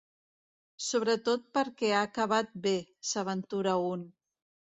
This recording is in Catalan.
Sobretot perquè ha acabat bé —s'aventura un.